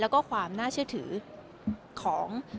แต่เสียหายไปถึงบุคคลที่ไม่เกี่ยวข้องด้วย